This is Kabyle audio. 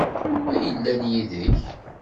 Anwa ay yellan yid-k?